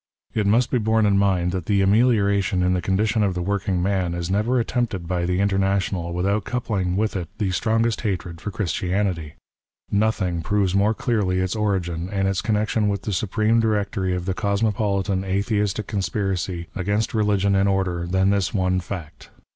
It must be borne in mind that the amelioration in the condition of the working man is never attempted by the International without coupling with it the strongest hatred for Christianity. Nothing proves more clearly its origin and its connection with the Supreme Directory of the Cosmopolitan Atheistic Conspiracy against XVI PREFACE. religion and order than this one fact.